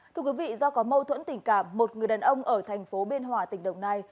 thưa quý vị do có mâu thuẫn tình cảm một người đàn ông ở thành phố biên hòa tỉnh đồng nai